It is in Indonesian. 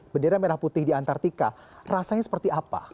bendera merah putih di antartika rasanya seperti apa